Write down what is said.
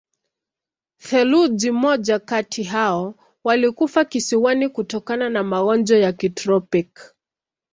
Theluji moja kati hao walikufa kisiwani kutokana na magonjwa ya kitropiki.